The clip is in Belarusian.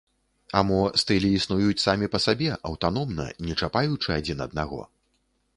А мо стылі існуюць самі па сабе, аўтаномна, не чапаючы адзін аднаго?